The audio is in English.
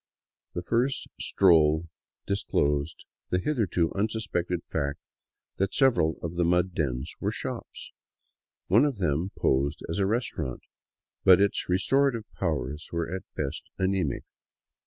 The first stroll disclosed the hitherto unsuspected fact that several of the mud dens were shops. One of them posed as a restaurant, but its restorative powers were at best anemic.